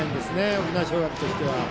沖縄尚学としては。